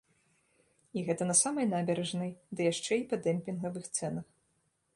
І гэта на самай набярэжнай, ды яшчэ і па дэмпінгавых цэнах.